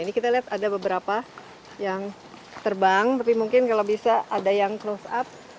ini kita lihat ada beberapa yang terbang tapi mungkin kalau bisa ada yang close up